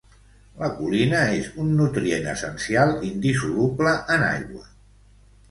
La colina és un nutrient essencial indissoluble en aigua.